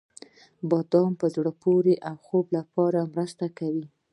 • بادام د په زړه پورې خوب لپاره مرسته کوي.